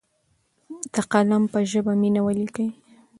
د قلم په ژبه مینه ولیکئ.